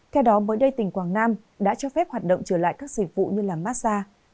theo đó mới đây tỉnh quảng nam đã cho phép hoạt động trở lại các dịch vụ như massage